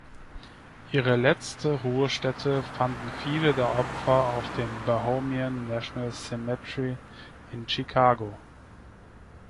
Ihre letzte Ruhestätte fanden viele der Opfer auf dem Bohemian National Cemetery in Chicago.